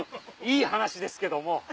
いい話ですけども。